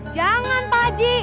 jangan pak haji